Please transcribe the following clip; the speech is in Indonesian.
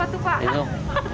berapa tuh pak